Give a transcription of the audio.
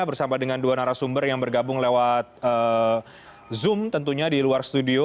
bersama dengan dua narasumber yang bergabung lewat zoom tentunya di luar studio